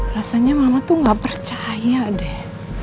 rasanya mama tuh gak percaya deh